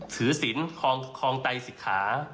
ถือสินของไตยศิกขา